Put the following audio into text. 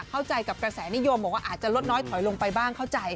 เข้าใจกับกระแสนิยมบอกว่าอาจจะลดน้อยถอยลงไปบ้างเข้าใจ